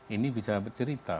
ini bisa cerita